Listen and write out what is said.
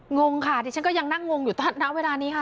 งงค่ะดิฉันก็ยังนั่งงงอยู่ณเวลานี้ค่ะ